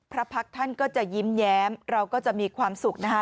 พระพักษ์ท่านก็จะยิ้มแย้มเราก็จะมีความสุขนะคะ